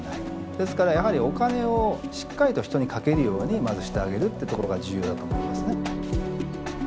ですからやはりお金をしっかりと人にかけるようにまずしてあげるってところが重要だと思いますね。